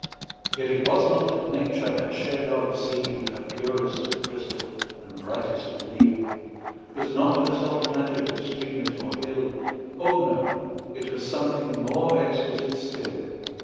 Yet it was not that nature had shed o'er the scene Her purest of crystal and brightest of green; 'Twas not her soft magic of streamlet or hill, Oh! no—it was something more exquisite still.